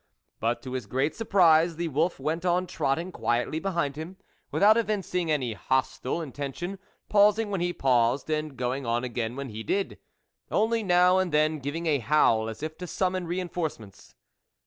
But to his great surprise the wolf went on trotting quietly behind him, without evincing any hostile in tention, pausing when he paused, and going on again when he did, only now and then giving a howl as if to summon re inforcements.